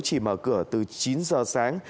chỉ mở cửa từ chín h sáng